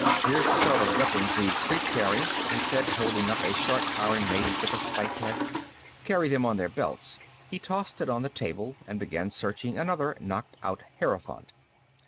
"Here's the sort of weapons these priests carry," he said, holding up a short iron mace with a spiked head. "Carry them on their belts." He tossed it on the table, and began searching another knocked out hierophant.